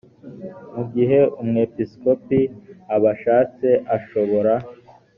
mugihe umwepisikopi abishatse ashobora